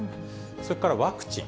それからワクチン。